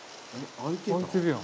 開いてるやん。